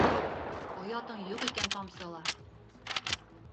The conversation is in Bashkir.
Оятың юҡ икән тамсы ла!